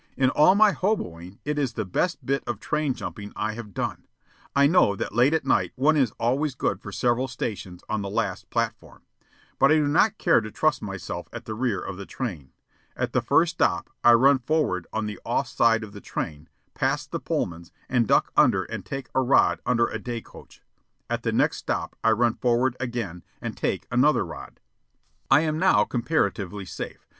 In all my hoboing it is the best bit of train jumping I have done. I know that late at night one is always good for several stations on the last platform, but I do not care to trust myself at the rear of the train. At the first stop I run forward on the off side of the train, pass the Pullmans, and duck under and take a rod under a day coach. At the next stop I run forward again and take another rod. I am now comparatively safe.